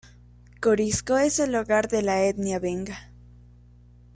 Corisco es el hogar de la etnia benga.